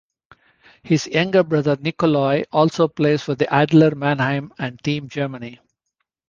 His younger brother Nikolai also plays for Adler Mannheim and Team Germany.